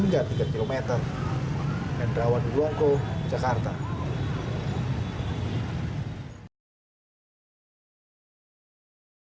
nggak apa apa sih pas saya keluar aja sama airbag tadi kena kepala saya